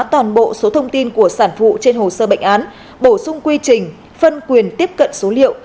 toàn bộ số thông tin của sản phụ trên hồ sơ bệnh án bổ sung quy trình phân quyền tiếp cận số liệu